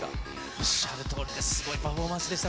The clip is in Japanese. おっしゃるとおりで、すごいパフォーマンスでした。